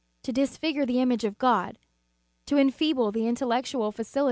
To disfigure the image of God, to enfeeble the intellectual faculties, * Homil.